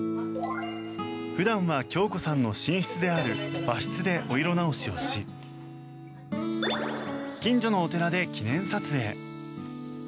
普段は恭子さんの寝室である和室でお色直しをし近所のお寺で記念撮影。